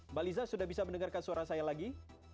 mbak lisa sudah bisa mendengarkan suara saya lagi